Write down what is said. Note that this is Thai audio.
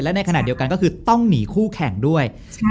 ในขณะเดียวกันก็คือต้องหนีคู่แข่งด้วย